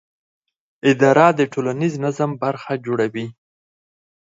اداره د ټولنیز نظم برخه جوړوي.